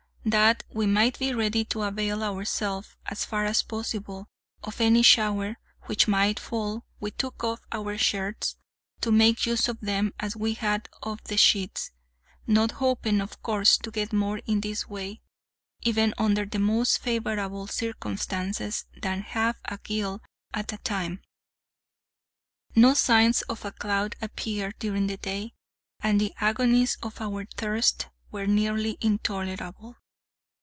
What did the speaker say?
That we might be ready to avail ourselves, as far as possible, of any shower which might fall we took off our shirts, to make use of them as we had of the sheets—not hoping, of course, to get more in this way, even under the most favorable circumstances, than half a gill at a time. No signs of a cloud appeared during the day, and the agonies of our thirst were nearly intolerable.